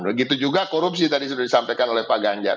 begitu juga korupsi tadi sudah disampaikan oleh pak ganjar